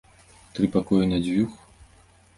Тры пакоі на дзвюх?